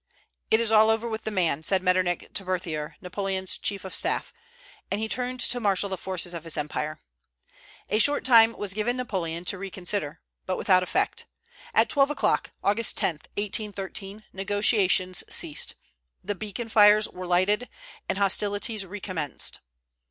"It is all over with the man," said Metternich to Berthier, Napoleon's chief of staff; and he turned to marshal the forces of his empire. A short time was given Napoleon to reconsider, but without effect. At twelve o'clock, Aug. 10, 1813, negotiations ceased; the beacon fires were lighted, and hostilities recommenced.